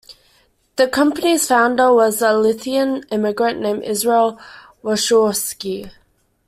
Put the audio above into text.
The company's founder was a Lithuanian immigrant named Israel Warshawsky.